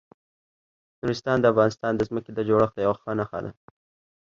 نورستان د افغانستان د ځمکې د جوړښت یوه ښه نښه ده.